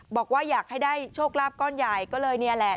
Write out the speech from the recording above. บอกว่าอยากให้ได้โชคลาภก้อนใหญ่ก็เลยนี่แหละ